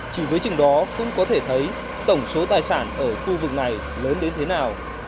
chỉ với chừng đó cũng có thể thấy tổng số tài sản ở khu vực này lớn đến thế nào